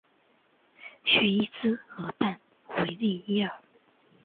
叙伊兹河畔维利耶尔。